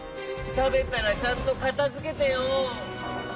たべたらちゃんとかたづけてよ。